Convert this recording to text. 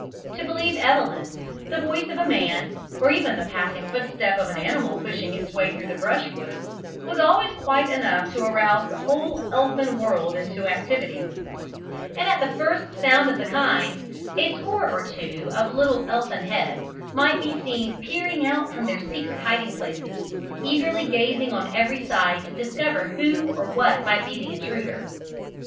To believe Evelyn, the voice of a man, or even the passing footstep of an animal pushing its way through the brushwood, was always quite enough to arouse the whole elfin world into activity; and, at the first sound of the kind, a score or two of little elfin heads might be seen peering out from their secret hiding places, eagerly gazing on every side to discover who or what might be the intruder.